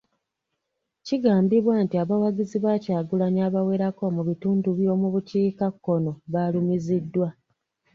Kigambibwa nti abawagizi ba Kyagulanyi abawerako mu bitundu by'omu bukiika kkono baalumiziddwa.